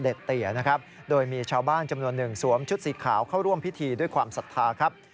เตี๋ยนะครับโดยมีชาวบ้านจำนวนหนึ่งสวมชุดสีขาวเข้าร่วมพิธีด้วยความศรัทธาครับ